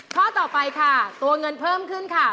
ข้อต่อไปค่ะตัวเงินเพิ่มขึ้นค่ะ